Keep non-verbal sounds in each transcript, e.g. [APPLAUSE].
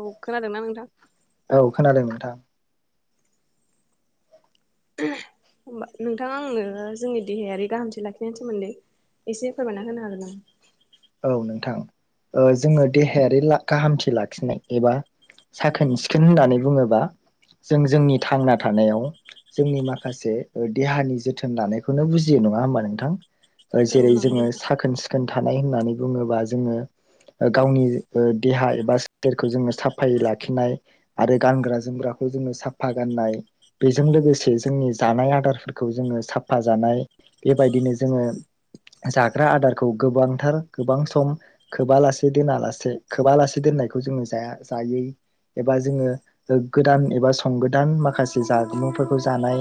औ खोनादोंना नोंथां? औ खोनादों नोंथां। होनबा नोंथाङा आंनो जोंनि देहायारि गाहामथि लाखिनायनि सोमोन्दै एसे फोरमायना होनो हागोन नामा? औ नोंथां जोङो देहायारि गाहामथि लाखिनाय एबा साखोन सिखोन होननानै बुङोबा जों जोंनि थांना थानायाव जोंनि माखासे देहानि जोथोन लानायखौनो बुजियो नङा होमबा नोंथां। औ ओजेरै- नंगौ जोङो साखोन सिखोन [UNINTELLIGIBLE] थानाय होन नानै बुङोबा जोङो गावनि ओ देहा एबा सोलेरखौ जोङो साफायै लाखिनाय आरो गानग्रा जोमग्राखौ जोङो साफा गाननाय बेजों लोगोसे जोंनि जानाय आदारफोरखौ जोङो साफा जानाय बेबायदिनो जोङो जाग्रा आदारखौ गोबांथार गोबां सम खोबा लासे दोना लासे खोबा लासे दोननायखौ जोङो जाया जायै एबा जोङो गोदान एबा सं गोदान माखासे जागोमुंफोरखौ जानाय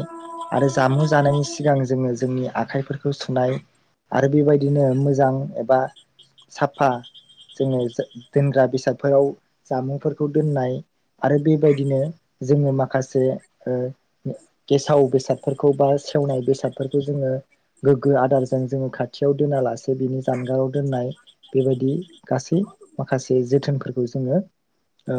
आरो जामुं जानायनि सिगां जोङो जोंनि आखाइफोरखौ सुनाय आरो बेबायदिनो मोजां एबा साफा जोङो दोनग्रा बेसादफोराव जामुंफोरखौ दोननाय आरो बेबायदिनो जोङो माखासे ओ गेसाव बेसादफोरखौ बा सेवनाय बेसादफोरखौ जोङो गोग्गो आदारजों जोङो खाथियाव दोनालासे बिनि जानगाराव दोननाय बेबायदि गासै माखासे जोथोनफोरखौ जोङो ओ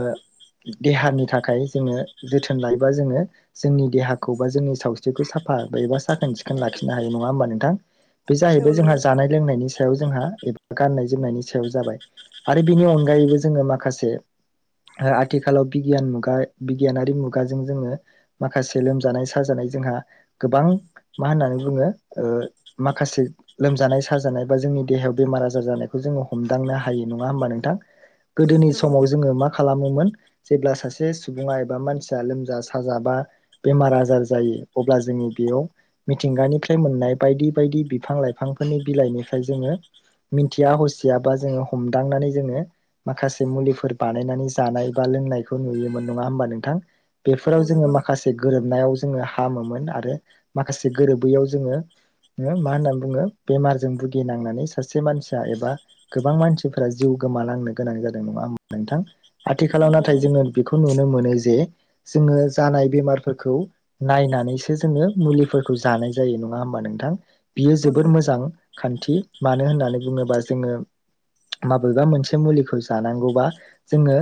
देहानि थाखाय जोङो जोथोन लायोबा जोङो जोंनि देहाखौ बा जोंनि सावस्रिखौ साफा एबा साखोन सिखोन लाखिनो हायो नङा होमबा नोंथां। बे जाहैबाय जोंहा नोंथां जानाय लोंनायनि सायाव जोंहा एबा गाननाय जोमनायनि सायाव जाबाय आरो बिनि अनगायैबो जोङो माखासे ओ आथिखालाव बिगियान मुगा बिगियानारि मुगाजों जोङो माखासे लोमजानाय साजानाय जोंहा गोबां मा होननानै बुङो ओ माखासे लोमजानाय साजानाय बा जोंनि देहायाव बेमार आजार जानायखौ जोङो हमदांनो हायो नङा होमबा नोंथां गोदोनि समाव जोङो मा खालामोमोन जेब्ला सासे सुबुङा एबा मानसिया लोमजा साजा बा बेमार आजार जायो अब्ला जोंनि बेयाव मिथिंगानिफ्राय मोननाय बायदि बायदि बिफां लाइफांफोरनि बिलाइनिफ्राय जोङो मिन्थिया हसियाबा जोङो हमदांनानै जोङो माखासे मुलिफोर बानायनानै जानाय बा लोंनायखौ नुयोमोन नङा होमबा नोंथां औ बेफोराव जोङो नंगौ नोंथां माखासे गोरोबनायाव जोङो हामोमोन आरो माखासे गोरोबैयाव जोङो मा होननानै बुङो बेमारजों भुगिनांनानैस सासे मानसिया एबा गोबां मानसिफोरा जिउ गोमालांनो गोनां जादों नङा होमबा नोंथां उम आथिखालाव नंगौ नाथाय जोङो बेखौ नुनो मो जे जोङो जानाय बेमारफोरखौ नायनानैसो जोङो मुलिफोरखौ जानाय जायो नङा होमबा नोंथां बियो औ जोबोर नंगौ मोजां खान्थि मानो होननानै बुङोबा जोङो माबेबा मोनसे मुलिखौ जानांगौबा जोङो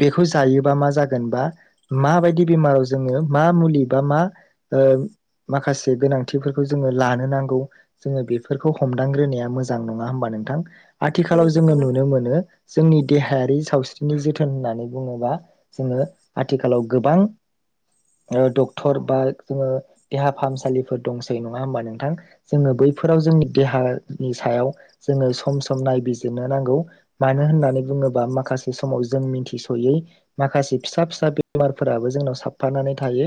बेखौ जायोबा मा जागोन बा माबायदि बेमाराव जोङो मा मुलि बा मा ओ माखासे गोनांथिफोरखौ जोङो लानो नांगौ जोङो बेफोरखौ हमदांग्रोनाया मोजां नङा होमबा नोंथां उम आथिखालाव जोङो नंगौ नुनो मोनो जोंनि देहायारि सावस्रिनि जोथोन होननानै बुङोबा जोङो आथिखालाव गोबां ओ डक्टर बा जोङो देहा फाहामसालिफोर दंसै नङा होमबा नोंथां जोङो बैफोराव जोंनि देहानि सायाव जोङो सम सम नायबिजिरनो नांगौ मानो होननानै बुङोबा माखासे समाव जों मिथिस'यै माखासे फिसा फिसा बेमारफोराबो जोंनाव साबफानानै थायो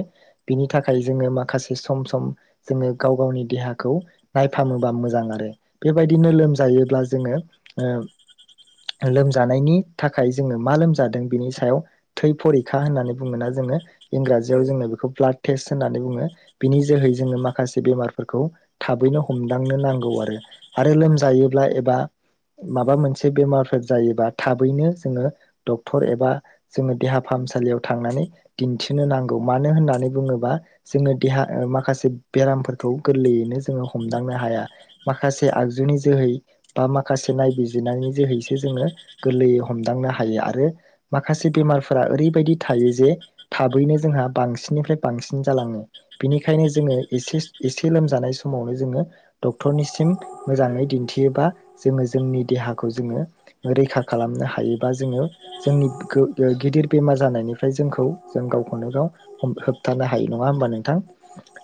बिनि थाखाय जोङो माखासे सम सम जोङो गाव गावनि देहाखौ नायफामोबा मोज जां आरो बेबायदिनो लोमजायोब्ला जोङो ओ लोमजानायनि थाखाय जोङो मा लोमजादों बेनि सायाव थै फरिखा होननानै बुङोना जोङो इंराजियाव जोंङो बेखौ ब्लाद तेस होननानै बुङो बिनि जोहै जोङो माखासे बेमारफोरखौ थाबैनो हमदांनो नां गौ आरो आरो लोमजायोब्ला एबा माबा मोनसे बेमारफोर जायोबा थाबैनो जोङो डक्टर एबा जोङो देहा फाहामसालियाव थांनानै दिन्थिनो नांगौ मानो होननानै बुङोबा जोङो देहा माखासे बेरामफोरखौ गोरलैयैनो जोङो हमदांनो हाया। माखासे आगजुनि जोहै बा माखासे नायबिजिरनायनि जोहैसो जोङो गोरलैयै हमदांनो हायो आरो माखासे बेमारफोरा ओरैबायदि थायो जे थाबैनो जोंहा बांसिननिफ्राय बांसिन जालाङो बेनिखायनो जोङो एसे एसे लोमजानाय समावनो जोङो डक टरनिसिम मोजाङै दिन्थियोबा जोङो जोंनि देहाखौ जोङो रैखा खालामनो हायोबा जोङो जोंनि गो गिदिर बेमार जानायनिफ्राय जोंखौ जों गावखौनो गाव हम होबथानो हायो नङा होमबा नोंथां।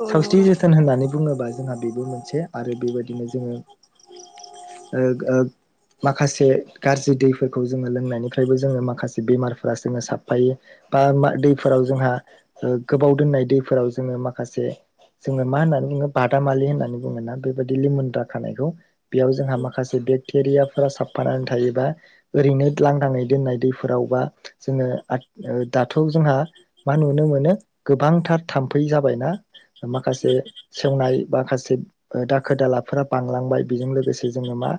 औ नंगौ औ नंगौ सावस्रि नोंथां जोथोन होननानै बुङो बा जोंहा बेबो मोनसे। आरो बेबायदिनो जोङो ओ ओ माखासे गाज्रि दैफोरखौ जोङो लोंनायनिफ्रायबो जोङो माखासे बेमारफोरा जोङो साबफायो बा दैफोराव जोंहा गोबाव दोननाय दैफोराव जोङो माखासे जोङो मा होननानै बुङो बादामालि होननानै बुङोना। बेबायदि लिमोनद्राखानायखौ बेयाव जोंहा माखासे बेग थेरियाफोरा साबफानानै थायोबा ओरैनो लांदाङै दोननाय दैफोरावबा जोङो दाथ' जोंहा मा नुनो मोनो गोबांथार थाम्फै जाबायना। माखासे सेवनाय माखासे [UNINTELLIGIBLE] ओ दाखोर दालाफोरा बांलांबाय बेजों लोगोसे जोङो मा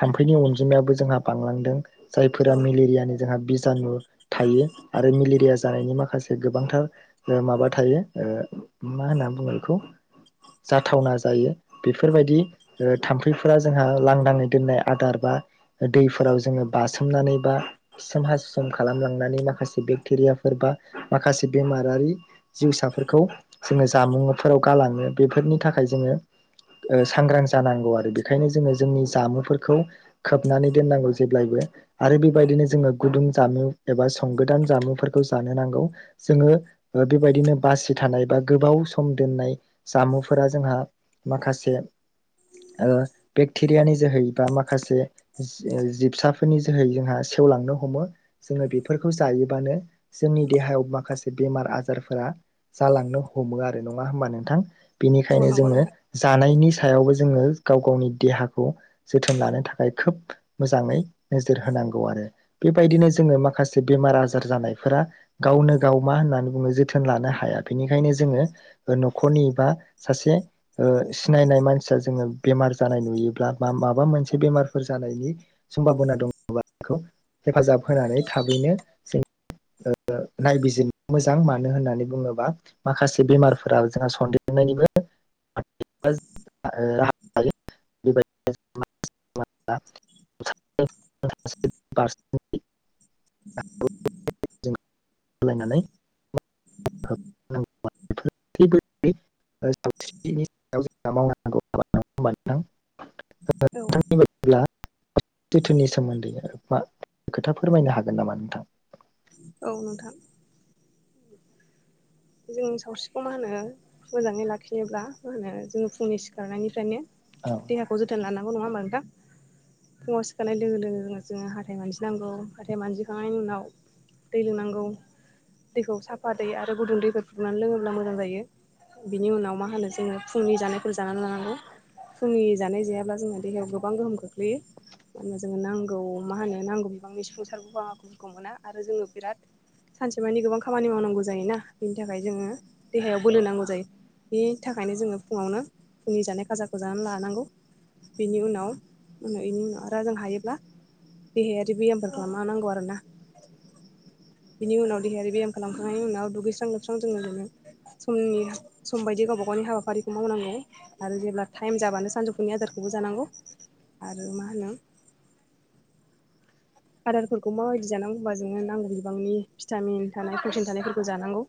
थाम्फैनि अनजिमायाबो जोंहा बांलांदों। जायफोरा उम मेलेरियानि जोंहा बिजानु थायो आरो मेलेरिया जानायनि माखासे गोबांथार माबा थायो ओ मा होनना बुङो बेखौ जाथावना जायो। बेफोरबायदि ओ थाम्फैफोरा जोंहा लांदाङै दोननाय आदार बा दैफोराव जोङो बासोमनानै बा खिसोम हासुसोम खालामलांनानै माखासे बेक्टेरियाफोर बा माखासे बेमारारि जिउसाफोरखौ जोङो जामुंफोराव गालाङो बेफोरनि थाखाय जोङो ओ सांग्रां जानांगौ आरो बेखायनो जोङो जोंनि जामुफोरखौ खोबनानै दोननांगौ जेब्लायबो आरो बेबायदिनो जोङो गुदुं जामुं एबा संगोदान जामुंफोरखौ जानो नांगौ जोङो बेबायदिनो बासि थानाय बा गोबाव सम दोननाय जामुफोरा जोंहा माखासे ओ बेक्टेरियानि जोहै बा माखासे जिबसाफोरनि जोहै जोंहा सेवलांनो हमो जोङो बेफोरखौ जायोबानो जोंनि देहायाव माखासे बेमार आजारफोरा जालांनो हमो आरो नङा होमबा नोंथां। औ नंगौ नोंथां उम औ बिनिखायनो नंगौ जोङो नोंथां जानायनि सायावबो जोङो गाव गावनि देहाखौ जोथोन लानो थाखाय खोब मोजाङै नोजोर होनांगौ आरो बेबायदिनो जोङो माखासे बेमार आजार जानायफोरा गावनो गाव मा होननानै बुङो जोथोन लानो हाया बेनिखायनो जोङो न'खरनि बा सासे ओ सिनायनाय मानसिया जोङो बेमार जानाय नुयोब्ला बा माबा मोनसे बेमारफोर जानायनि समभाबना दङबा बेखौ हेफाजाब होनानै थाबैनो जों ओ नायबिजिरनो मोजां मानो होननानै बुङोबा माखासे बेमारफोरा जोंहा सनन्देरनायनिबो [UNINTELLIGIBLE] [UNINTELLIGIBLE] ओ सावस्रिनि सायाव [UNINTELLIGIBLE] औ। नोंथांनि बायदिब्ला जोथोननि सोमोन्दै मा खोथा फोरमायनो हागोन नामा नोंथां। औ नोंथां। जों सावस्रिखौ मा होनो मोजाङै लाखिनोब्ला मा होनो जोङो फुंनि सिखारनायनिफ्रायनो औ देहाखौ जोथोनलाना नंगौ नङाहोनबा नोंथां फुंआव सिखारनाय लोगो-लोगो जोङो हाथाय मानजिनांगौ हाथाय मानजिखांनायनिउनाव दै लोंनांगौ दैखौ साफा दै आरो गुदुं दै। फुदुंनानै लोङोब्ला मोजां जायो बिनि उनाव मा होनो जोङो फुंनि जानायफोर जानानै लानांगौ फुंनि जानाय जायाब्ला जोङो देहायाव गोबां गोहोम खोख्लैयो मानो होनबा जोङो नांगौ मा होनो नांगौ बिबांनि सफुंसार बाहागोफोरखौ मोना आरो जोङो बिराद सानसेमानि गोबां खामानि मावनांगौ जायोना। बिनि थाखाय जोङो देहायाव बोलो औ नांगौ जायो। बेनि थाखायनो जोङो फुङावनो फुंनि जानाय खाजाखौ जानानै लानांगौ बेनि उनाव बेनि उनाव आरो जों हायोब्ला देहायारि ब्यामफोर खालामलानांगौ आरोना बिनि उनाव देहायारि ब्याम खालामखांनायनि उनाव दुगै सु स्रां लोबस्रां जोङो जोंनि समबायदि गावबा गावनि हाबाफारिखौ मावनांगौ आरो जेब्ला टाइम जाबानो सानजौफुनि आदारखौबो जानांगौ आरो मा होनो आदारफोरखौ माबायदि जानांगौ होनबा जोंङो नांगौ बिबांनि भिटामिन थानाय प्रटिन थानायफोरखौ जानांगौ।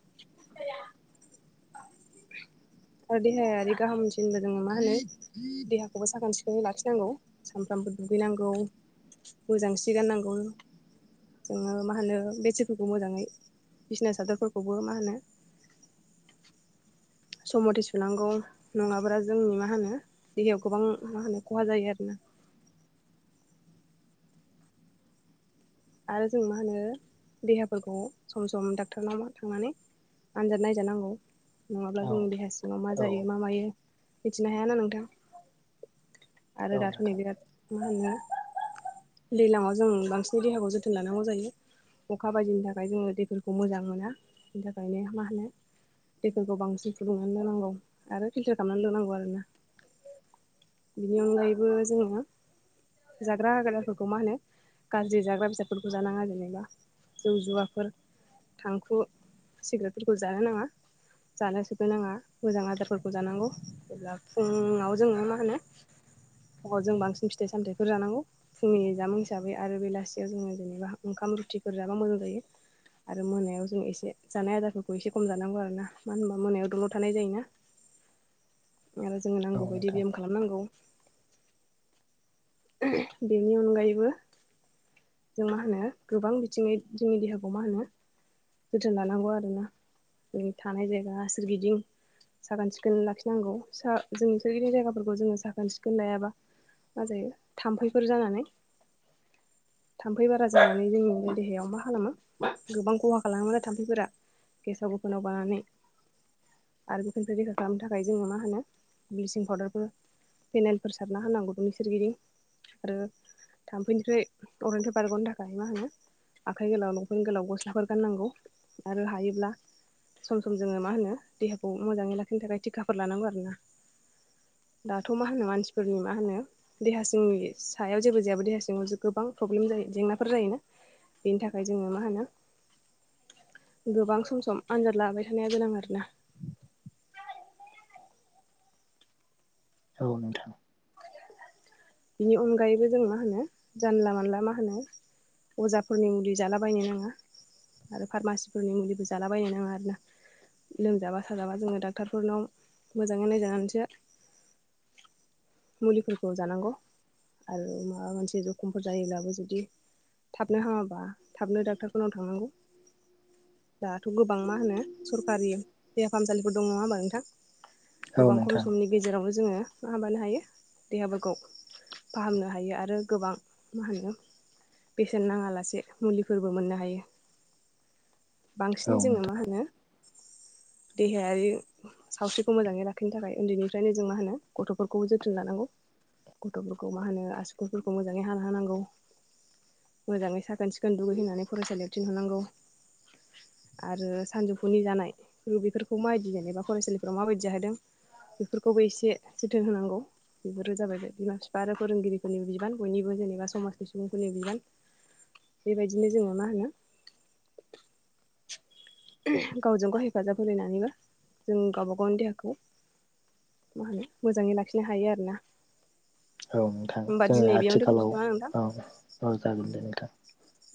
आरो देहायारि गाहामथि होनब्ला जोङो मा होनो देहाखौबो साखोन सिखोनै लाखिनांगौ सामफ्रामबो दुगैनांगौ मोजां सि गाननांगौ जोङो मा होनो बेडसिडफोरखौ मोजाङै बिसिना सादरफोरखौबो मा होनो। सम मथे सुनांगौ नङाब्ला जोंनि मा होनो देहायाव गोबां मा होनो खहा जायो आरोना। आरो जों मा होनो देहाफोरखौ सम सम डाक्टारनाव थांनानै आनजाद नायजानांगौ। नङाब्ला औ जोंनि देहा सिङाव मा औ जायो मा मायो। मिथिनो हायाना नोंथां। आरो औ दाथ' नै नोंथां बिराद मा होनो दैलाङाव जों बांसिन देहाखौ जोथोन लानांगौ जायो अखा बायदिनि थाखाय जोङो दैफोरखौ मोजां मोना बिनि थाखायनो मा होनो दैफोरखौ बांसिन फुदुंनानै लोंनांगौ आरो फिल्टार खालामनानै लोंनांगौ आरोना बिनि अनगायैबो जोङो जाग्रा आदार फोरखौ मा होनो गाज्रि जाग्रा बेसाद फोरखौ जानाङा जेनेबा जौ, जुवाफोर, थांखु, सिग्रेटफोरखौ जानो नाङा, जानो सोबनो नाङा, मोजां आदारफोरखौ जानांगौ जेब्ला फुङाव जोङो मा होनो फुंआव जों बांसिन फिथाइ सामथायाइफोर जानांगौ फुंनि जामुं हिसाबै आरो बेलासियाव जोङो जेनेबा ओंखाम रुथिफोर जाबा मोजां जायो आरो मोनायाव जों एसे जानाय आदारफोरखौ एसे खम जानांगौ आरो ना मानो होनबा मोनायाव दल'द थानाय जायोना। आरो जोङो औ नांगौ बदि नोंथां ब्याम खालामनांगौ। ओ बेनि अनगायैबो जों मा होनो गोबां बिथिङै जोंनि देहाखौ मा होनो जोथोन लानांगौ आरोना थानाय जायगा सोरगिदिं साखोन सिखोन लाखिनांगौ सा जों सोरगिदिं जायगाफोरखौ जोङो साखोन सिखोन लायाबा मा जायो थाम्फैफोर जानानै थाम्फै बारा जानानै जोंनिनो देहायाव मा खालामो गोबां खहा मानोना थाम्फैफोरा गेसाव गोफोनाव बानानै आरो बेफोरनिफ्राय रैखा खालामनो थाखाय जोङो मा होनो ब्लिसिं पाउदारफोर फेनेलफोर सारना होनांगौ बेनि सोरगिदिं आरो थाम्फैनिफ्राय अरनायनिफ्राय बारग'नो थाखाय मा होनो आखाइ गोलाव लंफेन गोलाव गस्लाफोर गाननांगौ आरो हायोब्ला सम सम जोङो मा होनो देहाखौ मोजाङै लाखिनो थाखाय टिकाफोर लानांगौ आरोना दाथ' मा होनो मानसिफोरनि मा होनो देहा सिंनि सायाव जेबो जायाबा देहा सिङाव गोबां प्रब्लेम जायो जेंनाफोर जायोना बेनि थाखाय जोङो मा होनो? गोबां सम सम आनजाद लाबाय थानाया गोनां आरोना औ नोंथां। बिनि अनगायैबो जों मा होनो जानला मानला मा होनो अजाफोरनि मुलि जालाबायनो नाङा आरो फारमासिफोरनि मुलिबो जालाबायनो नाङा आरोना लोमजाबा साजाबा जोङो डाक्टारफोरनाव मोजाङै नायजानानैसो मुलिफोरखौ जानांगौ। आरो माबा मोनसे जखमफोर जायोब्लाबो जुदि थाबनो हामाबा थाबनो डाक्टारफोरनाव थांनांगौ दाथ' गोबां मा होनो सरखारि देहा फाहामसालिफोर दं नङा होमबा नोंथां? औ गोबां खम नोंथां समनि गेजेरावनो जोङो मा हाबानो हायो देहाफोरखौ फाहामनो हायो आरो गोबां मा होनो बेसेन नाङा लासे मुलिफोरबो मोननो हायो। औ बांसिनै जोङो नोंथां मा होनो? देहायारि सावस्रिखौ मोजाङै लाखिनो थाखाय उन्दैनिफ्रायनो जों मा होनो गथ'फोरखौ जोथोन लानांगौ। गथ'फोरखौ मा होनो आसुखुरफोरखौ मोजाङै हाना होनांगौ मोजाङै साखोन सिखोन दुगैहोनानै फरायसालियाव थिनहरनांगौ आरो सानजौफुनि जानाय बेफोरखौ मायदि जेनेबा फरायसालिफोराव मा बायदि जाहोदों बेफोरखौबो एसे जोथोन होनांगौ बेफोरो जाबाय बे बिमा फिफा आरो फोरोंगिरिफोरनिबो बिबान बयनिबो जेनेबा समाजनि सुबुंफोरनि बिबान बेबायदिनो जोङो मा होनो गावजों गाव हेफाजाब होलायनानैबो जों गावबा गावनि देहाखौ मा होनो मोजाङै लाखिनो हायो आरोना। औ नोंथां होमबा जोङो दिनै बेयावनो दोनथ'सै आथिखालाव नामा नोंथां औ औ जागोन दे नोंथां।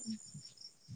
उम [UNINTELLIGIBLE]